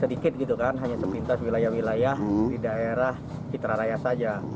sedikit gitu kan hanya sepintas wilayah wilayah di daerah citra raya saja